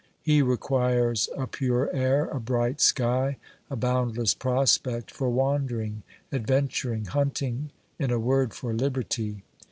He requires a pure air, a bright sky, a boundless prospect for wandering, adventuring, hunting, in a word, for liberty.